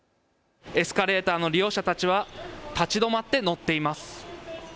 エスカレーターの利用者たちは立ち止まって乗っています。